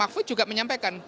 pak wakut juga menyampaikan